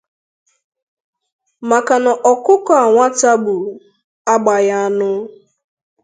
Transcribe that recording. maka na ọkụkọ nwata gburu agbághị anụ